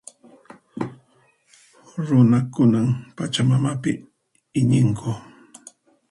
Runakunan Pachamamapi iñinku.